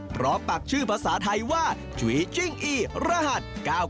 ปักชื่อภาษาไทยว่าจุ๋ยจิ้งอีรหัส๙๙